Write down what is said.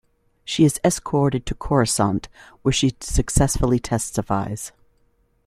She is escorted to Coruscant, where she successfully testifies.